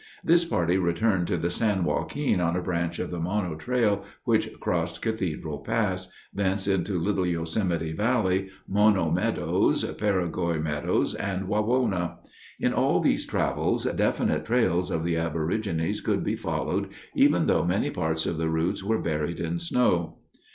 This party returned to the San Joaquin on a branch of the Mono Trail which crossed Cathedral Pass, thence into Little Yosemite Valley, Mono Meadows, Peregoy Meadows, and Wawona. In all these travels definite trails of the aborigines could be followed even though many parts of the routes were buried in snow.